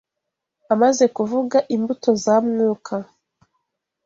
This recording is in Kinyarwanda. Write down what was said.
Amaze kuvuga imbuto za Mwuka,